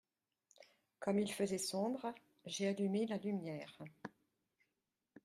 Comme il faisait sombre, j’ai allumé la lumière.